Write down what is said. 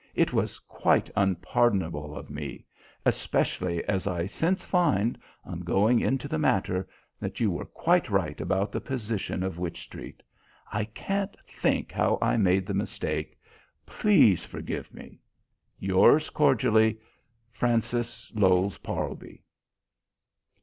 It was quite unpardonable of me, especially as I since find, on going into the matter, that you were quite right about the position of Wych Street. I can't think how I made the mistake. Please forgive me. "Yours cordially, "FRANCIS LOWES PARLBY."